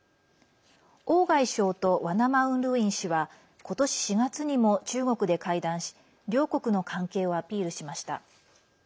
王外相とワナ・マウン・ルウィン氏はことし４月にも中国で会談し両国の関係をアピールしました。